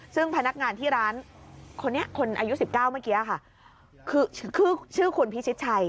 ซึ่งพนักงานที่ร้านคนนี้คนอายุ๑๙เมื่อกี้ค่ะคือชื่อคุณพิชิตชัย